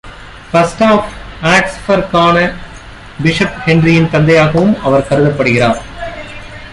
First of ஆக்ஸ்பர்கான bishop ஹென்றியின் தந்தையாகவும் அவர் கருதப்படுகிறார்.